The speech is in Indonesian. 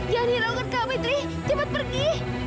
jangan nyerahkan kami tri cepet pergi